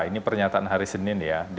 ini pernyataan hari senin ya